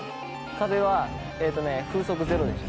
「風はえっとね風速ゼロでした。